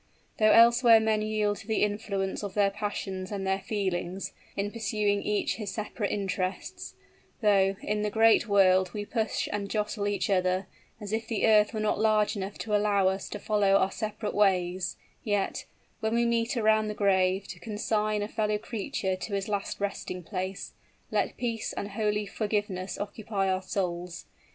Though elsewhere men yield to the influence of their passions and their feelings, in pursuing each his separate interests though, in the great world, we push and jostle each other, as if the earth were not large enough to allow us to follow our separate ways yet, when we meet around the grave, to consign a fellow creature to his last resting place, let peace and holy forgiveness occupy our souls.